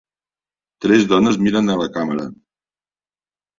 Tres dones miren a la càmera.